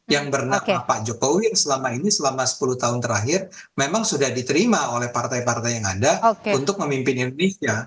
yang bernak pak jokowi yang selama ini selama sepuluh tahun terakhir memang sudah diterima oleh partai partai yang ada untuk memimpin indonesia